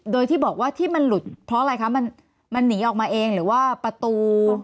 โดยที่บอกว่าที่มันหลุดเพราะอะไรคะมันหนีออกมาเองหรือว่าประตู